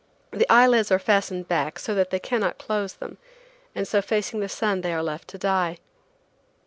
The eyelids are fastened back so that they cannot close them, and so facing the sun they are left to die.